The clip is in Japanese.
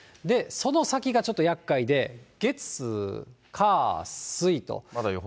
その先がちょっとやっかいで、月、火、水と。